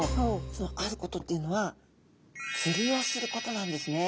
そのあることっていうのは釣りをすることなんですね。